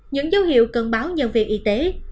những dấu hiệu cần báo nhân viên y tế